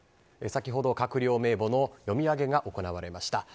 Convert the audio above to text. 先ほど閣僚名簿の読み上げが行われました。